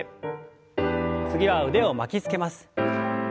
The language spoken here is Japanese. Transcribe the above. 次は腕を巻きつけます。